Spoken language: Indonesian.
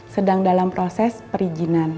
sedang dalam proses perizinan